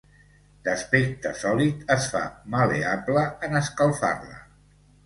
D'aspecte sòlid, es fa mal·leable en escalfar-la.